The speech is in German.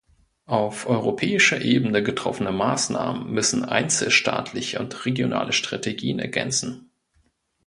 Auf europäischer Ebene getroffene Maßnahmen müssen einzelstaatliche und regionale Strategien ergänzen.